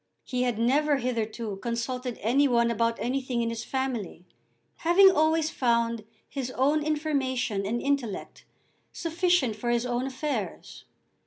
He had never hitherto consulted any one about anything in his family, having always found his own information and intellect sufficient for his own affairs.